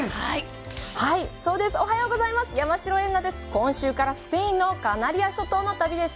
今週からスペインのカナリア諸島の旅です。